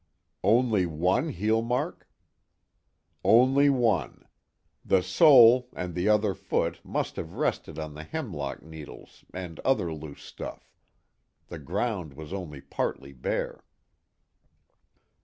"Only one heel mark?" "Only one. The sole, and the other foot, must have rested on the hemlock needles and other loose stuff. The ground was only partly bare."